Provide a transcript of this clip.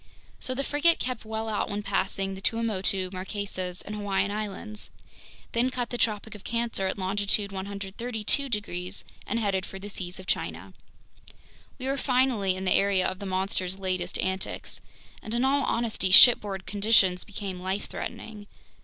So the frigate kept well out when passing the Tuamotu, Marquesas, and Hawaiian Islands, then cut the Tropic of Cancer at longitude 132 degrees and headed for the seas of China. We were finally in the area of the monster's latest antics! And in all honesty, shipboard conditions became life threatening.